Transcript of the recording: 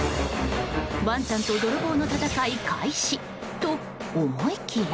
ワンちゃんと泥棒の戦い開始と思いきや。